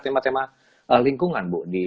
tema tema lingkungan bu